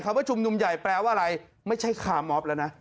ว่าชุมนุมใหญ่แปลว่าอะไรไม่ใช่คาร์มอบแล้วนะ